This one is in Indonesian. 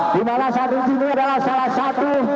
dimana sani ripsi adalah salah satu